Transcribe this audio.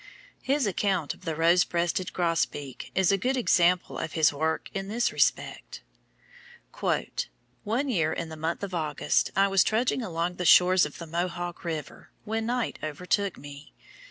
His account of the Rosebreasted Grosbeak is a good sample of his work in this respect: "One year, in the month of August, I was trudging along the shores of the Mohawk river, when night overtook me.